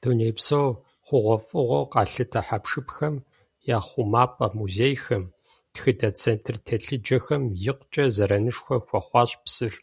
Дунейпсо хъугъуэфӀыгъуэу къалъытэ хьэпшыпхэм я хъумапӀэ музейхэм, тхыдэ центр телъыджэхэм икъукӀэ зэранышхуэ хуэхъуащ псыр.